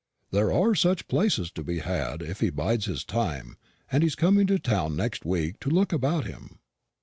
There are such places to be had if he bides his time, and he's coming to town next week to look about him.